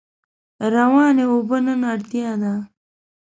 روانې اوبه نن اړتیا ده.